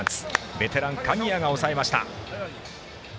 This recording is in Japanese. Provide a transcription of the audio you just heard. ベテラン鍵谷が抑えました。